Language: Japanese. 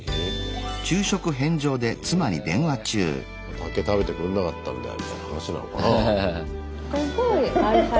竹食べてくんなかったんだよみたいな話なのかな。